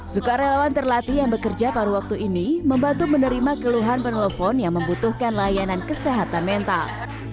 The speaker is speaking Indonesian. suka relawan terlatih yang bekerja pada waktu ini membantu menerima keluhan penelpon yang membutuhkan layanan kesehatan mental